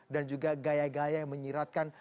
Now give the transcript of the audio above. dan juga gaya gaya yang menyiratkan